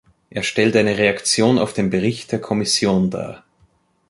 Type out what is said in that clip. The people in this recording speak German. Er stellt eine Reaktion auf den Bericht der Kommission dar.